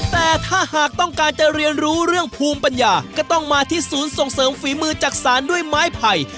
แต่ถ้าหากต้องการจะเรียนรู้เรื่องภูมิปัญญาก็ต้องมาที่ศูนย์ส่งเสริมฝีมือจักษานด้วยไม้ไผ่